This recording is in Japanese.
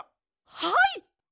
はい！